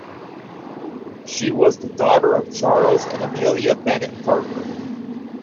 She was the daughter of Charles and Amelia (Bennett) Parker.